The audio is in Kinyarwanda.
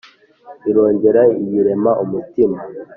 Irongera iyirema umutima